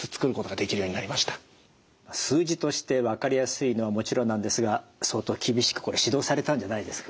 数字として分かりやすいのはもちろんなんですが相当厳しくこれ指導されたんじゃないですか？